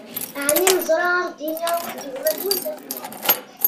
Ɛni neẓra ad ɣ-id-yini: Awit-d gma-twen?